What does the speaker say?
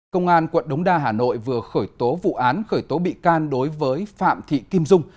công an quận đống đa hà nội vừa khởi tố vụ án khởi tố bị can đối với phạm thị kim dung